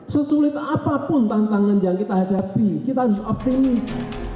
sesulit apapun tantangan yang kita hadapi kita harus optimis